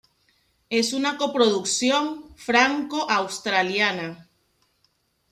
Es una coproducción franco-australiana.